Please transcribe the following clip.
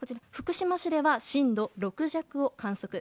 福島市では震度６弱を観測